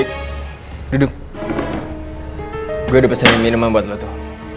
ray duduk gue udah pesen minuman buat lo tuh